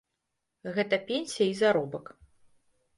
Гэта пенсія і заробак.